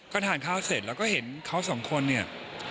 ก็ทานข้าวเสร็จแล้วก็เห็นเขาสองคนเนี่ย